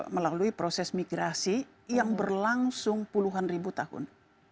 melalui proses migrasi yang berlangsung puluhan ribu tahun